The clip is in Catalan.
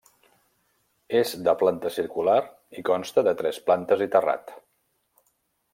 És de planta circular i consta de tres plantes i terrat.